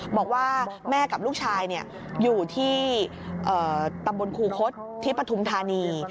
บอกว่าแม่กับลูกชายอยู่ที่ตำบลคูคศที่ปฐุมธานี